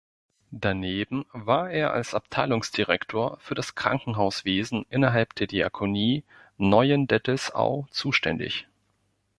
Daneben war er als Abteilungsdirektor für das Krankenhauswesen innerhalb der Diakonie Neuendettelsau zuständig.